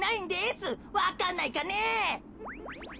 わかんないかねえ。